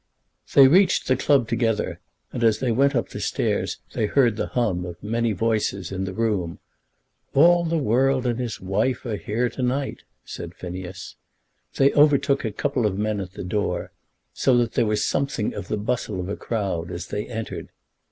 They reached the club together, and as they went up the stairs, they heard the hum of many voices in the room. "All the world and his wife are here to night," said Phineas. They overtook a couple of men at the door, so that there was something of the bustle of a crowd as they entered.